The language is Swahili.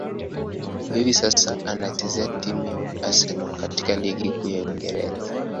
Hivi sasa, anachezea timu ya Arsenal katika ligi kuu ya Uingereza.